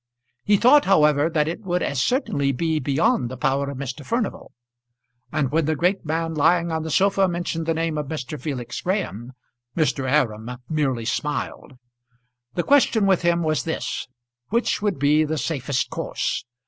He thought, however, that it would as certainly be beyond the power of Mr. Furnival; and when the great man lying on the sofa mentioned the name of Mr. Felix Graham, Mr. Aram merely smiled. The question with him was this: Which would be the safest course?